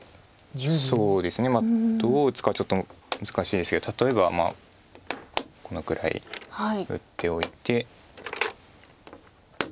そうですねどう打つかはちょっと難しいですけど例えばこのくらい打っておいて。